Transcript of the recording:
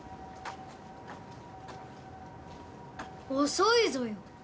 遅いぞよ。